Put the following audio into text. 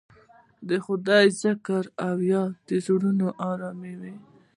د خدای ذکر او یاد زړونه اراموي.